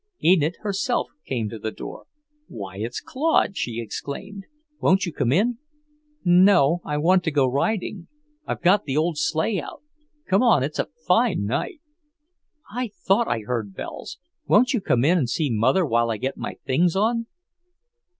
Enid herself came to the door. "Why, it's Claude!" she exclaimed. "Won't you come in?" "No, I want you to go riding. I've got the old sleigh out. Come on, it's a fine night!" "I thought I heard bells. Won't you come in and see Mother while I get my things on?"